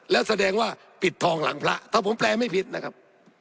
แล้วแสดงว่าปิดทองหลังพระถ้าผมแปลไม่ผิดนะครับ